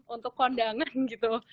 untuk kondangan gitu